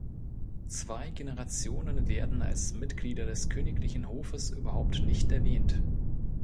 Zwei Generationen werden als Mitglieder des königlichen Hofes überhaupt nicht erwähnt.